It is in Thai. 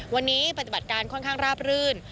วันนี้ปฏิบัติการค่อนข้างราบรื่น